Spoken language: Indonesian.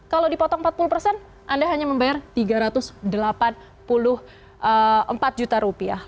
kalau dipotong empat puluh persen anda hanya membayar tiga ratus delapan puluh empat juta rupiah